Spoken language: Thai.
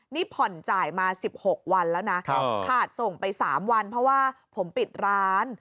นี่ผ่อนจ่ายมา๑๖วันแล้วนะขาดส่งไป๓วันเพราะว่าผมปิดร้าน